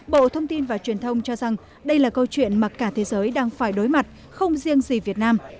bộ thông tin và truyền thông cho rằng đây là câu chuyện mà cả thế giới đang phải đối mặt không riêng gì việt nam